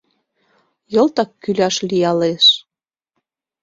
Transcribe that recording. Йылтак кӱляш лиялеш.